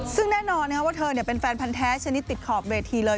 ซึ่งแน่นอนว่าเธอเป็นแฟนพันธ์แท้ชนิดติดขอบเวทีเลย